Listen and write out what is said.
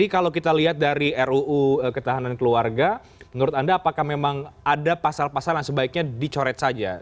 kalau kita lihat dari ruu ketahanan keluarga menurut anda apakah memang ada pasal pasal yang sebaiknya dicoret saja